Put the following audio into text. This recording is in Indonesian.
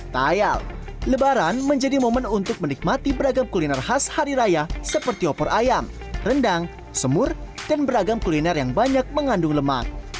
tayal lebaran menjadi momen untuk menikmati beragam kuliner khas hari raya seperti opor ayam rendang semur dan beragam kuliner yang banyak mengandung lemak